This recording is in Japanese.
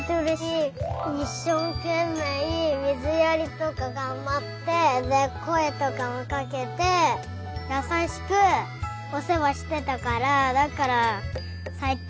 いっしょうけんめいみずやりとかがんばってでこえとかもかけてやさしくおせわしてたからだからさいたんだとおもう。